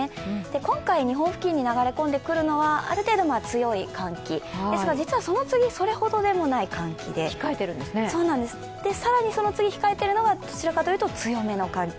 今回日本付近に流れ込んでくるのはある程度強い寒気ですが実はその次それほどでもない寒気で更にその次控えているのがどちらかというと強めの寒気。